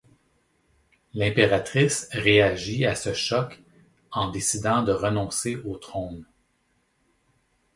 L'impératrice réagit à ce choc en décidant de renoncer au trône.